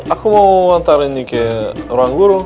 aku mau antar ini ke ruangguru